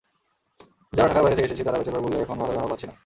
যারা ঢাকার বাইরে থেকে এসেছি, তারা ব্যাচেলর বলে এখন বাড়িভাড়াও পাচ্ছি না।